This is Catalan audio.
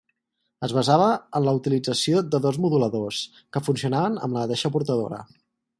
Es basava en la utilització de dos moduladors, que funcionaven amb la mateixa portadora.